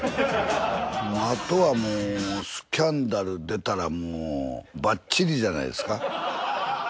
あとはもうスキャンダル出たらもうバッチリじゃないですか。